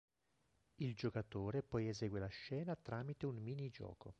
Il giocatore poi esegue la scena tramite un minigioco.